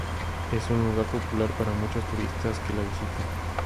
Es un lugar popular para muchos turistas que la visitan.